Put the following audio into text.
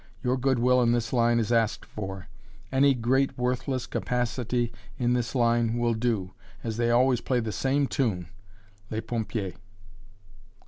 Your good will in this line is asked for any great worthless capacity in this line will do, as they always play the same tune, "Les Pompiers!"